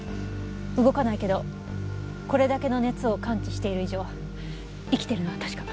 動かないけどこれだけの熱を感知している以上生きているのは確か。